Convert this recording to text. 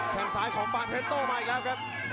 แค่งซ้ายของปานเพชรโต้มาอีกแล้วครับ